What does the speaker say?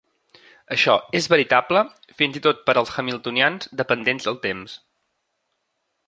Això és veritable fins i tot per als hamiltonians dependents del temps.